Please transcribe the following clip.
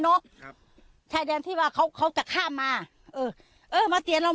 ครับชายแดนที่ว่าเขาเขาจะข้ามมาเออเออมาเตียนเรา